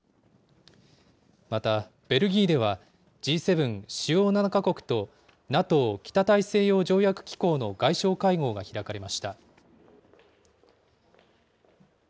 また、ベルギーでは、Ｇ７・主要７か国と、ＮＡＴＯ・北大西洋条約機構の外相会合が開かれました。